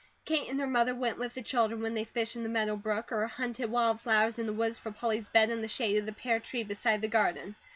Kate and her mother went with the children when they fished in the meadow brook, or hunted wild flowers in the woods for Polly's bed in the shade of the pear tree beside the garden.